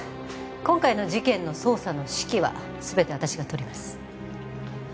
今回の事件の捜査の指揮はすべて私が執ります。